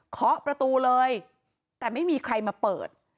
ขอประตูเลยแต่ไม่มีใครมาเปิด